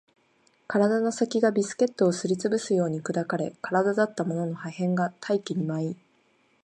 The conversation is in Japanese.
体の先がビスケットをすり潰すように砕かれ、体だったものの破片が大気に舞い